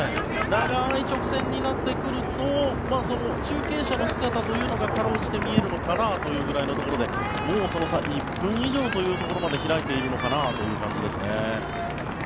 長い直線になってくると中継車の姿がかろうじて見えるのかなというぐらいでもうその差１分以上というところまで開いているのかなという感じですね。